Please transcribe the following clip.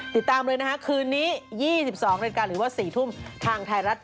ติดตามเลยนะฮะคืนนี้๒๒นาฬิกาหรือว่า๔ทุ่มทางไทยรัฐ